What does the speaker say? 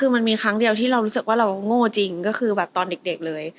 คือมันมีครั้งเดียวที่เรารู้สึกว่าเราโง่จริงก็คือแบบตอนเด็กเลย